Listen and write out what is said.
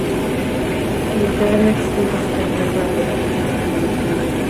En el terreno existe un paso peatonal para poder cruzar la Panamericana Sur.